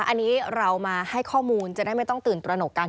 อันนี้เรามาให้ข้อมูลจะได้ไม่ต้องตื่นตระหนกกัน